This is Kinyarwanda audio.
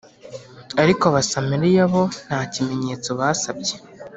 Ariko Abasamariya bo nta kimenyetso basabye